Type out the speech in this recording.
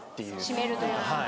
締めるというか。